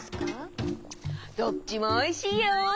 どっちもおいしいよ！